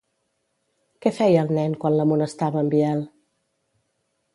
Què feia el nen quan l'amonestava en Biel?